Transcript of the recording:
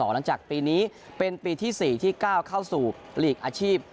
หลังจากปีนี้เป็นปีที่๔ที่ก้าวเข้าสู่หลีกอาชีพ